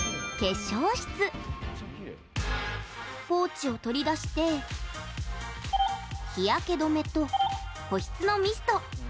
ポーチを取り出して日焼け止めと、保湿のミスト。